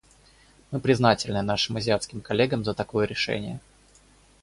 Мы признательны нашим азиатским коллегам за такое решение.